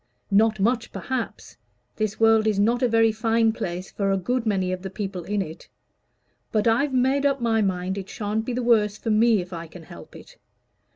Not much, perhaps. This world is not a very fine place for a good many of the people in it. But I've made up my mind it shan't be the worse for me, if I can help it.